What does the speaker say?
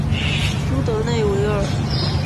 乌德勒维尔。